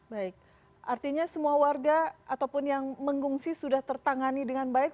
baik artinya semua warga ataupun yang mengungsi sudah tertangani dengan baik